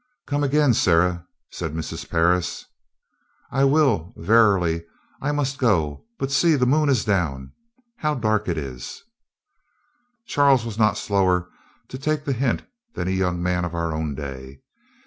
"Come again, Sarah," said Mrs. Parris. "I will. Verily, I must go; but see, the moon is down, how dark it is." Charles was not slower to take the hint than a young man of our own day.